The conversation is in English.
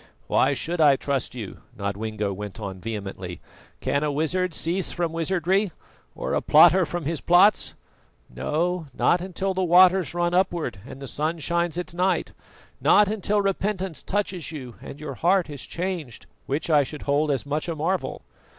"Why should I trust you?" Nodwengo went on vehemently. "Can a wizard cease from wizardry, or a plotter from his plots? No, not until the waters run upward and the sun shines at night; not until repentance touches you and your heart is changed, which I should hold as much a marvel.